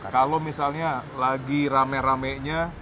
kalau misalnya lagi rame rame nya